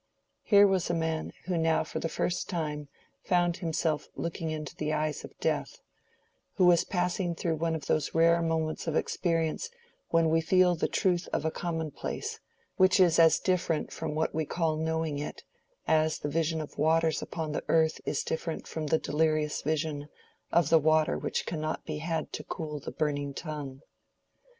Here was a man who now for the first time found himself looking into the eyes of death—who was passing through one of those rare moments of experience when we feel the truth of a commonplace, which is as different from what we call knowing it, as the vision of waters upon the earth is different from the delirious vision of the water which cannot be had to cool the burning tongue.